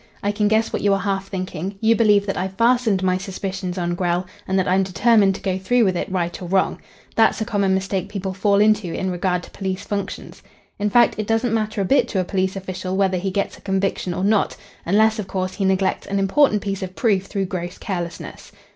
I can guess what you are half thinking. You believe that I've fastened my suspicions on Grell, and that I'm determined to go through with it right or wrong. That's a common mistake people fall into in regard to police functions. In fact, it doesn't matter a bit to a police official whether he gets a conviction or not unless, of course, he neglects an important piece of proof through gross carelessness.